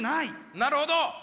なるほど！